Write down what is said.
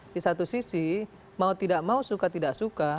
di satu sisi mau tidak mau suka tidak suka